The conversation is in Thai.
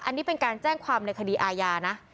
อันนี้เป็นการแจ้งความในคดีอาญานะ